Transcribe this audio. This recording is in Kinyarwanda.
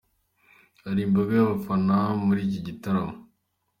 Hari imbaga y'abafana muri iki gitaramo.